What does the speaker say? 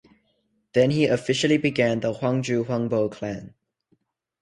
Then he officially began the Hwangju Hwangbo clan.